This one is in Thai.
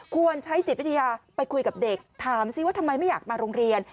ควรใช้จิตวิทยาไปคุยกับเด็กถามซิว่าทำไมไม่อยากมาโรงเรียน